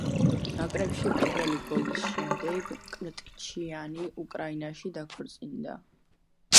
ნაკრებში პირველი გოლის შემდეგ მკრტიჩიანი უკრაინაში დაქორწინდა.